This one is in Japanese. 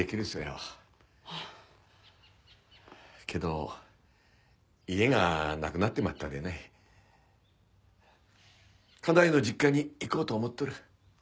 けど家がなくなってまったでね家内の実家に行こうと思っとる。